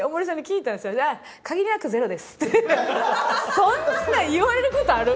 そんなん言われることある？